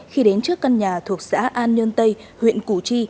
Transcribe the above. khi đến trước căn nhà thuộc xã an nhơn tây huyện củ chi